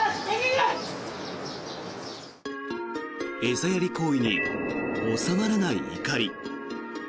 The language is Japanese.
餌やり行為に収まらない怒り。